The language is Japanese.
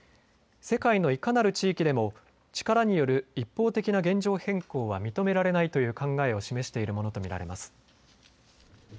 世界のいかなる地域でも力による一方的な現状変更は認められないという考えを示しているものと見られます。